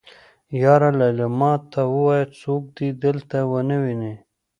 يره ليلما ته وايه څوک دې دلته ونه ويني.